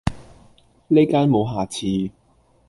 呢間無下次!